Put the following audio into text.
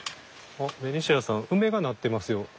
あっベニシアさんウメがなってますよ